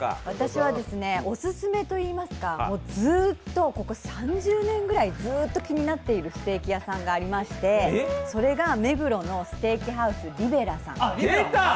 私はオススメと言いますかずっとここ３０年くらい気になっているステーキ屋さんがありましてそれが目黒のステーキハウスリベラさん。